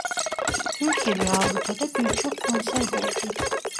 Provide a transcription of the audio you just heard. Türkiye ve Avrupa'da birçok konser verdi.